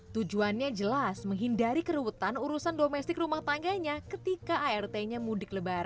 tujuannya jelas menghindari kerutan urusan domestik rumah tangganya ketika art nya mudik